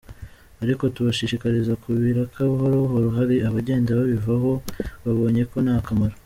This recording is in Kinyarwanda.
Ariko tubashishikariza kubiraka buhoro buhoro hari abagenda babivaho babonye ko nta kamaro.